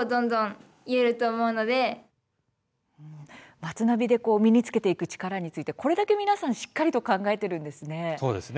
「まつナビ」で身につけていく力についてこれだけ皆さんしっかりと考えているんですね。